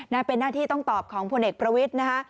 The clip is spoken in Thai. เป็นหน้าที่ต้องตอบของพลเอกประวิทย์นะคะ